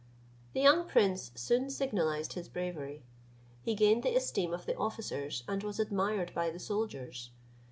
The young prince soon signalized his bravery. He gained the esteem of the officers, and was admired by the soldiers.